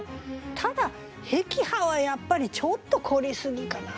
ただ「碧波」はやっぱりちょっと凝りすぎかな。